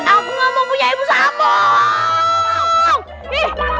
aku ga mau punya ibu samuuu